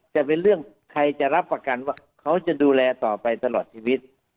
จะเป็นเรื่องใครจะรับประกันว่าเขาจะดูแลต่อไปตลอดชีวิต